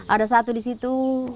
ada satu di situ